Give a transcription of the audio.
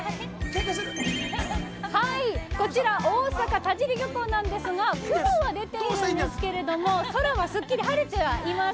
はい、こちら大阪田尻漁港ですが雲は出ているんですけど空はすっきり晴れてはいます。